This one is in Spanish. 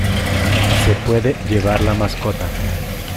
Se puede llevar la mascota.